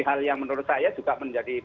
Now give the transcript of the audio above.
hal yang menurut saya juga menjadi